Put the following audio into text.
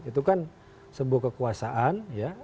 itu kan sebuah kekuasaan ya